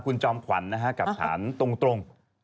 คุณจอมขวัญกับฐานตรง